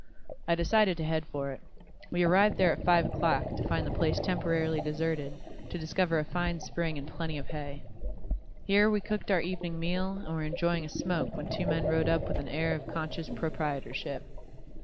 I decided to head for it. We arrived there at five o'clock, to find the place temporarily deserted, to discover a fine spring and plenty of hay. Here we cooked our evening meal and were enjoying a smoke when two men rode up with an air of conscious proprietorship.